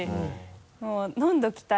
もう飲んでおきたい。